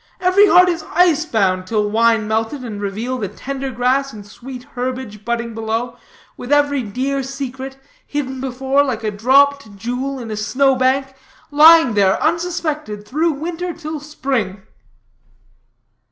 Every heart is ice bound till wine melt it, and reveal the tender grass and sweet herbage budding below, with every dear secret, hidden before like a dropped jewel in a snow bank, lying there unsuspected through winter till spring."